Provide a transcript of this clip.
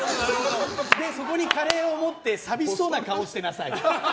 そこにカレーを持って寂しそうな顔をしてなさいと。